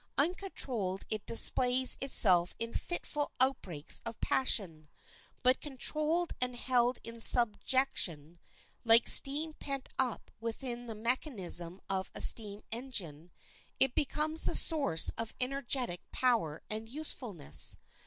Uncontrolled it displays itself in fitful outbreaks of passion; but controlled and held in subjection, like steam pent up within the mechanism of a steam engine, it becomes the source of energetic power and usefulness.